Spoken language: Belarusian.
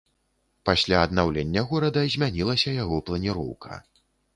Пасля аднаўлення горада змянілася яго планіроўка.